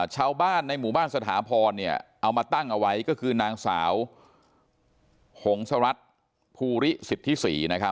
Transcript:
ชาวบ้านในหมู่บ้านสถาพรเอามาตั้งเอาไว้ก็คือนางสาวหงษรัฐภูริสิทธิศรี